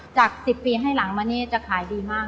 จาก๑๐ปีให้หลังมานี่จะขายดีมาก